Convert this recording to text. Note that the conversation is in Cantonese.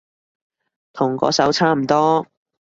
同嗰首差唔多